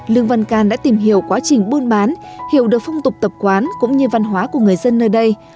lương văn can đã tìm hiểu quá trình buôn bán hiểu được phong tục tập quán cũng như văn hóa của người dân nơi đây